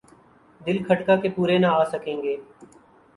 دل کھٹکا کہ پورے نہ آسکیں گے ۔